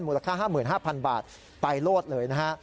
มูลค่า๕๕๐๐๐บาทไปโลดเลยนะฮะ